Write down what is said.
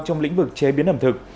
trong lĩnh vực chế biến ẩm thực